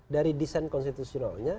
dari desain konstitusionalnya